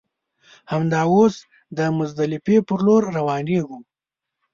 همدا اوس د مزدلفې پر لور روانېږو.